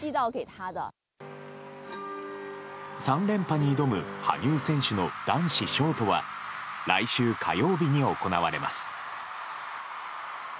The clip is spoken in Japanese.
３連覇に挑む羽生選手の男子ショートは来週火曜日に行われます。